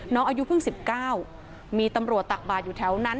น้องอายุเพิ่งสิบเก้ามีตำรวจตักบาดอยู่แถวนั้น